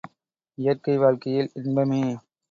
இயற்கை வாழ்க்கையில் இன்பமே!